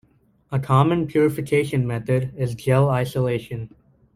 A common purification method is gel isolation.